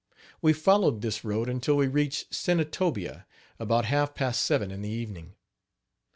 We followed this road until we reached Senatobia, about half past seven in the evening.